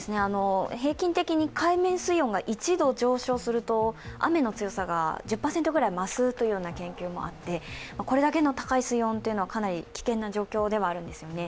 平均的に海面水温が１度上昇すると雨の強さが１０％ぐらい増すというような研究もあってこれだけの高い水温はかなり危険な状況ではあるんですよね。